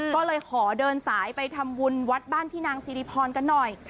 ก็เลยขอเดินสายไปทำบุญวัดบ้านพี่นางสิริพรกันหน่อย